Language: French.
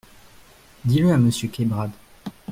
Dis-le à Monsieur Kerbrad.